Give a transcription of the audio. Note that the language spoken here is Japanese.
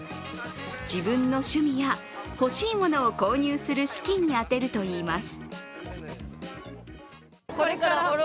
自分の趣味や、欲しいものを購入する資金に充てるといいます。